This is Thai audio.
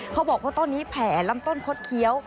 เขาบอกว่าต้นนี้แผลลำต้นคดเคี้ยว